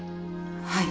はい。